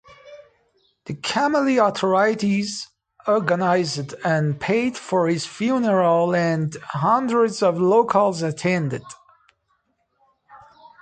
The Camelle authorities organized and paid for his funeral, and hundreds of locals attended.